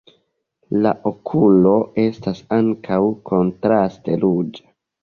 La okulo estas ankaŭ kontraste ruĝa.